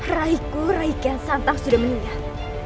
raiku raikian santan sudah meninggal